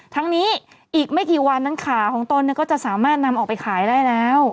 ทั้งนี้อีกไม่กี่วันนั้นขาของตนก็จะสามารถนำออกไปขายได้แล้ว